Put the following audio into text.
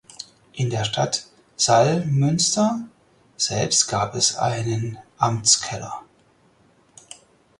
In der Stadt Salmünster selbst gab es einen Amtskeller.